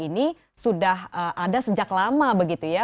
ini sudah ada sejak lama begitu ya